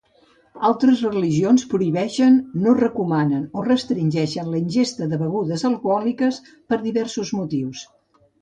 Altres religions prohibeixen, no recomanen o restringeixen la ingesta de begudes alcohòliques per diversos motius.